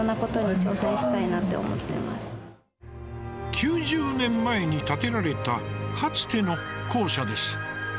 ９０年前に建てられたかつての校舎です。